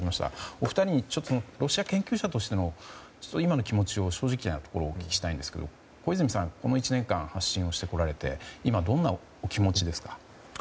お二人に、ロシア研究者としての今の気持ちを正直なところお聞きしたいんですが小泉さん、この１年間発信をしてこられて今、どんなお気持ちですか。